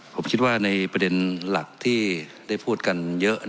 ผมคิดว่าในประเด็นหลักที่ได้พูดกันเยอะ